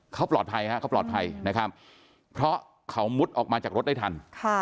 เขาปลอดภัยนะครับเพราะเขามุดออกมาจากรถได้ทัน